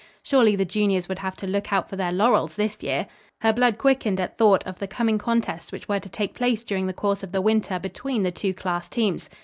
Surely, the juniors would have to look out for their laurels this year. Her blood quickened at thought, of the coming contests which were to take place during the course of the winter between the two class teams.